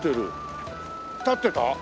建ってた？